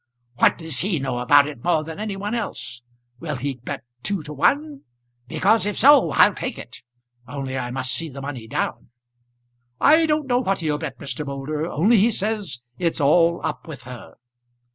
"What does he know about it more than any one else? Will he bet two to one? Because, if so, I'll take it; only I must see the money down." "I don't know what he'll bet, Mr. Moulder; only he says it's all up with her."